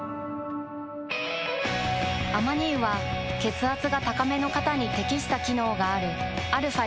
アマニ油は血圧が高めの方に適した機能があるαー